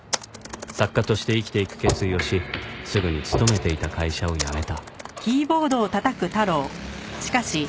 作家として生きていく決意をしすぐに勤めていた会社を辞めた